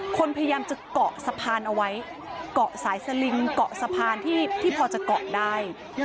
คนพยายามจะเกาะสะพานเอาไว้เกาะสายสลิงเกาะสะพานที่พอจะเกาะได้